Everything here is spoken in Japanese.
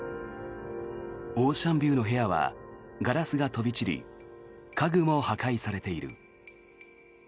オーシャンビューの部屋はガラスが飛び散り家具も破壊されている。